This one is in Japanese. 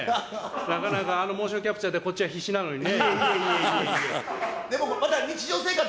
なかなか、あのモーションキャプチャーで、こっちは必死なのにね。